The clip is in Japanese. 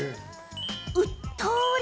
うっとり！